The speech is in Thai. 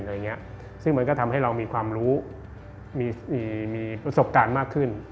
ซึ่งมันก็ทำให้เรามีความรู้มีประสบการณ์มากขึ้น